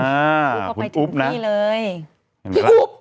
ระหว่างที่กำลังเคลื่อนยายร่างของนักระเมษ